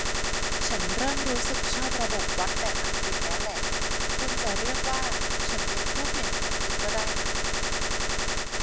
ฉันเริ่มรู้สึกชอบระบบวัดแบบอังกฤษแล้วแหละ คุณจะเรียกว่าฉันเป็นผู้เปลี่ยนความคิดก็ได้นะ